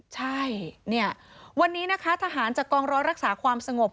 ใช่เนี่ยวันนี้นะคะทหารจากกองร้อยรักษาความสงบ